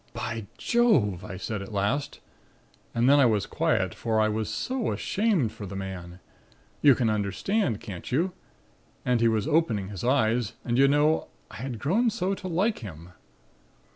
"'By Jove!' I said at last, and then I was quiet for I was so ashamed for the man. You can understand, can't you? And he was opening his eyes. And you know, I had grown so to like him.